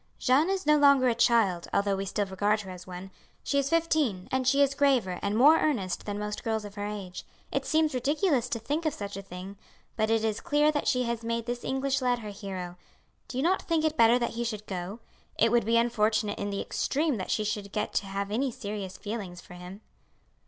"Jeanne is no longer a child, although we still regard her as one; she is fifteen, and she is graver and more earnest than most girls of her age. It seems ridiculous to think of such a thing, but it is clear that she has made this English lad her hero. Do you not think it better that he should go? It would be unfortunate in the extreme that she should get to have any serious feelings for him."